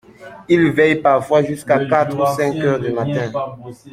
Il veille parfois jusqu’à quatre ou cinq heures du matin.